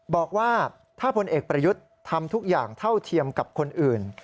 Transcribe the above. บอกว่าถ้าพลเอกประยุทธ์ทำทุกอย่างเท่าเทียมกับคนอื่น